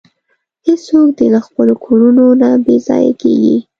هیڅوک دې له خپلو کورونو نه بې ځایه کیږي.